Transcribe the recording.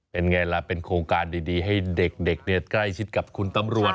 เป็นไงล่ะเป็นโครงการดีให้เด็กใกล้ชิดกับคุณตำรวจ